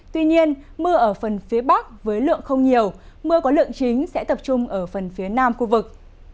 tuy nhiên mưa ở phần phía bắc với lượng không nhiều mưa có lượng chính sẽ tập trung ở phần phía nam khu vực